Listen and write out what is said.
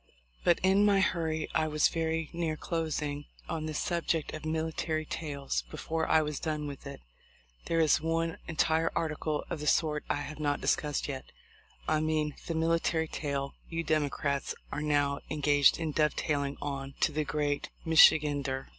"But in my hurry I was very near closing on this subject of military' tails before I was done with it. There is one entire article of the sort I have not discussed yet ; I mean the military tail you Demo crats are now engaged in dovetailing on to the great Michigander.